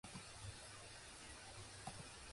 It operates weekly flights to Karachi.